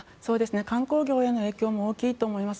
観光業への影響も大きいと思います。